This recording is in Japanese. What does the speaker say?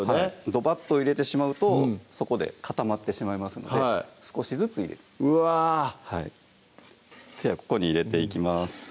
ドバッと入れてしまうとそこで固まってしまいますので少しずつ入れるうわではここに入れていきます